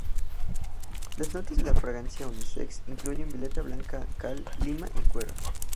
Las notas de la fragancia unisex incluyen violeta blanca, cal, lima y cuero.